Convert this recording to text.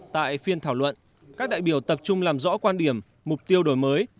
tại phiên thảo luận các đại biểu tập trung làm rõ quan điểm mục tiêu đổi mới